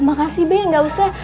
makasih be nggak usah